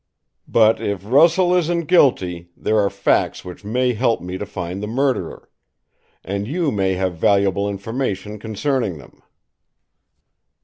"But, if Russell isn't guilty, there are facts which may help me to find the murderer. And you may have valuable information concerning them."